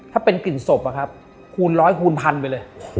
ถ้าเป็นกลิ่นศพอะครับคูณร้อยคูณพันไปเลย